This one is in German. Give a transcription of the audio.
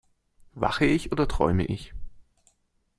Wache ich oder träume ich?